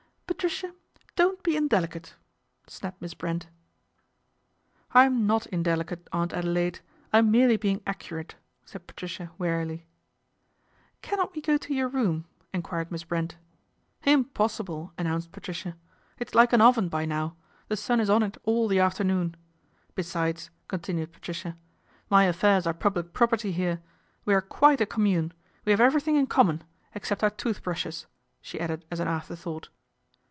' Patricia, don't be indelicate," snapped Miss Brent. " I'm not indelicate, Aunt Adelaide, I'm merely being accurate," said Patricia wearily. " Cannot we go to your room ?" enquired Miss Brent. " Impossible !" announced Patricia. " It's like an oven by now. The sun is on it all the after noon. Besides," continued Patricia, " my affairs are public property here. We are quite a com mune. We have everything in common ex cept our toothbrushes," she added as an after; thought.